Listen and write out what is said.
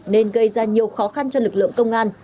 nên gây ra nhiều khó khăn cho lực lượng công an